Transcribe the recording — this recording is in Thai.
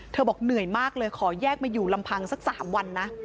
บอกเหนื่อยมากเลยขอแยกมาอยู่ลำพังสัก๓วันนะ